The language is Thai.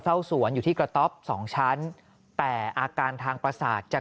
สวนอยู่ที่กระต๊อบสองชั้นแต่อาการทางประสาทจะ